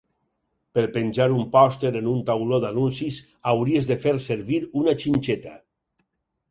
Per penjar un pòster en un tauló d'anuncis, hauries de fer servir una xinxeta